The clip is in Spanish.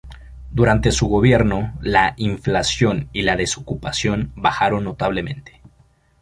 Durante su gobierno la inflación y la desocupación bajaron notablemente.